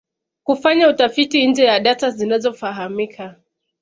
Kufanya utafiti nje ya data zinazofahamika